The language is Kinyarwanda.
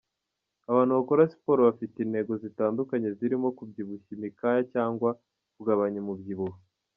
Abantu bakora siporo bafite intego zitandukanye zirimo kubyibushya imikaya cyangwa kugabanya umubyibuho.